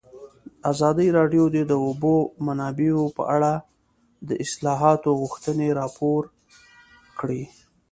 ازادي راډیو د د اوبو منابع په اړه د اصلاحاتو غوښتنې راپور کړې.